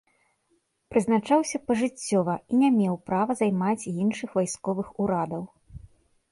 Прызначаўся пажыццёва і не меў права займаць іншых вайсковых урадаў.